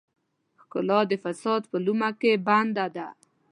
ښکلا د فساد په لومه کې بنده ده.